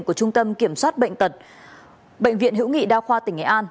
của trung tâm kiểm soát bệnh tật bệnh viện hữu nghị đa khoa tỉnh nghệ an